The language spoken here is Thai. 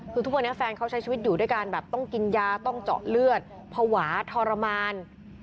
คือทุกวันนี้แฟนเขาใช้ชีวิตอยู่ด้วยการแบบต้องกินยาต้องเจาะเลือดภาวะทรมาน